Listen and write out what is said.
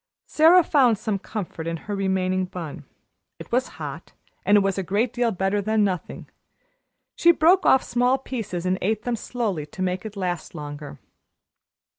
Sara found some comfort in her remaining bun. It was hot; and it was a great deal better than nothing. She broke off small pieces and ate them slowly to make it last longer.